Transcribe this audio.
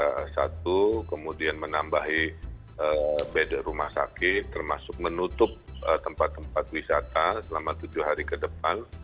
ada satu kemudian menambahi bed rumah sakit termasuk menutup tempat tempat wisata selama tujuh hari ke depan